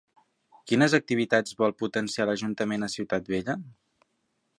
Quines activitats vol potenciar l'Ajuntament a Ciutat Vella?